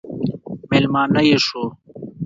مېلمانه یې شو.